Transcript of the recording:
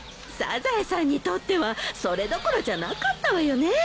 サザエさんにとってはそれどころじゃなかったわよね。